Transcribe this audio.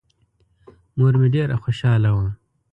مور مې ډېره خوشحاله وه.